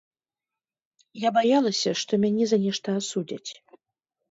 Я баялася, што мяне за нешта асудзяць.